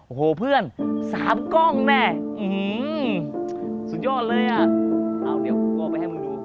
โอ้โหเพื่อนสามกล้องแน่สุดยอดเลยอ่ะเอาเดี๋ยวกูเอาไปให้มึงดู